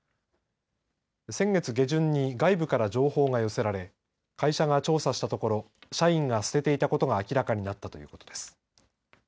先月下旬に外部から情報が寄せられ会社が調査したところ社員が捨てていたことが明らかになったということです。